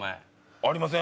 ありません。